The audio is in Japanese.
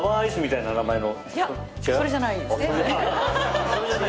いやそれじゃないですね。